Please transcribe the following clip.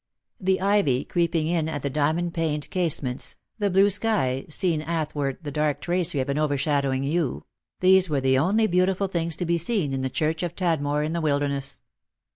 The ivy creeping in at the diamond paned casements, the blue sky seen athwart the dark tracery of an over shadowing yew — these were the only beautiful things to be seen in the church of Tadmor in the Wilderness.